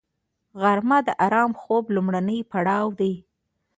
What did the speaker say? غرمه د آرام خوب لومړنی پړاو دی